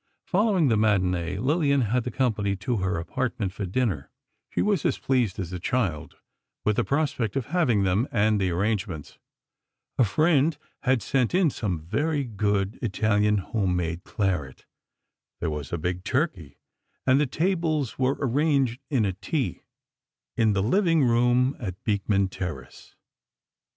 Following the matinée, Lillian had the company to her apartment, for dinner. She was as pleased as a child with the prospect of having them, and the arrangements. A friend had sent in some very good Italian home made claret, there was a big turkey, and the tables were arranged in a T, in the living room at Beekman Terrace.